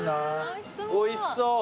おいしそう。